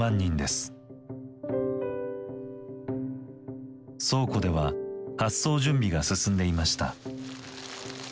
倉庫では発送準備が進んでいました。